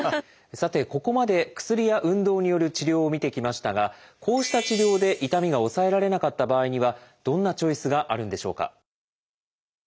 さてここまで薬や運動による治療を見てきましたがこうした治療で痛みが抑えられなかった場合にはどんなチョイスがあるんでしょうか？